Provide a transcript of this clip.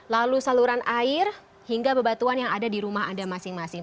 lalu saluran air hingga bebatuan yang ada di rumah anda masing masing